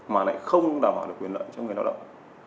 mà lại không đảm bảo được quyền lợi cho người lao động